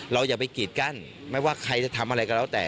อย่าไปกีดกั้นไม่ว่าใครจะทำอะไรก็แล้วแต่